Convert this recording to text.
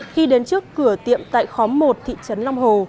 khi đến trước cửa tiệm tại khóm một thị trấn long hồ